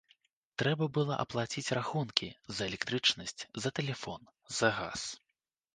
Трэба было аплаціць рахункі за электрычнасць, за тэлефон, за газ.